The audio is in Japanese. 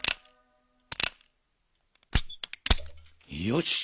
よし。